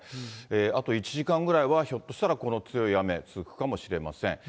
あと１時間ぐらいはひょっとしたらこの強い雨続くかもしれません。